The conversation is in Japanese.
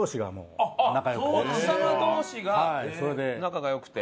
奥様同士が仲が良くて。